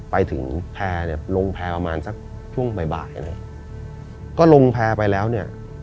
ไปถึงแพร่เนี่ยลงแพร่ประมาณสักช่วงบ่ายบ่ายเลยก็ลงแพร่ไปแล้วเนี่ย